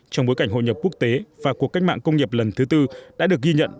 trong bối cảnh hội nhập quốc tế và cuộc cách mạng công nghiệp lần thứ tư đã được ghi nhận